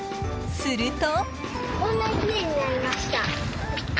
すると。